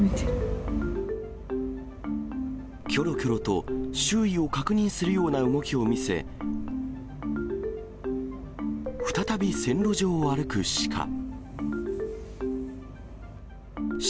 きょろきょろと、周囲を確認するような動きを見せ、再び線路上を歩く鹿。